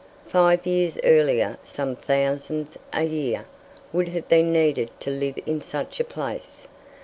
Five years earlier some thousands a year would have been needed to live in such a place.